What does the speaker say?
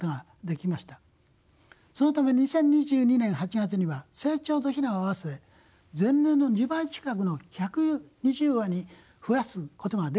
そのため２０２２年８月には成鳥と雛を合わせ前年の２倍近くの１２０羽に増やすことができたのです。